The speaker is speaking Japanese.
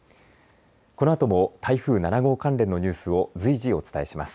このあとも台風７号関連のニュースを随時お伝えします。